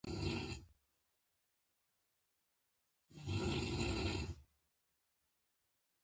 زه د سپورټ پروګرامونه ګورم.